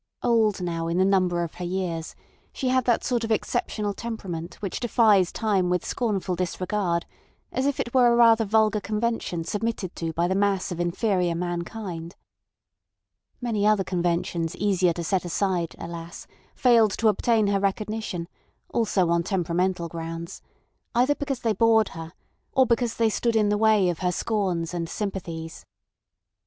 Old now in the number of her years, she had that sort of exceptional temperament which defies time with scornful disregard, as if it were a rather vulgar convention submitted to by the mass of inferior mankind. Many other conventions easier to set aside, alas! failed to obtain her recognition, also on temperamental grounds—either because they bored her, or else because they stood in the way of her scorns and sympathies.